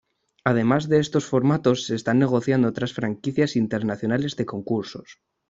Además de estos formatos, se están negociando otras franquicias internacionales de concursos.